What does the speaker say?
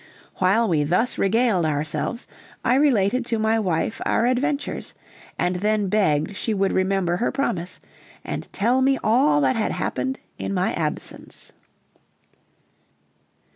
While we thus regaled ourselves, I related to my wife our adventures, and then begged she would remember her promise and tell me all that had happened in my absence.